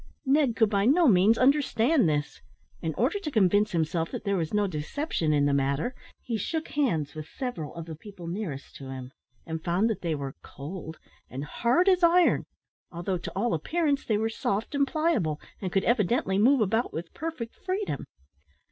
Ned could by no means understand this. In order to convince himself that there was no deception in the matter, he shook hands with several of the people nearest to him, and found that they were cold and hard as iron; although, to all appearance, they were soft and pliable, and could evidently move about with perfect freedom.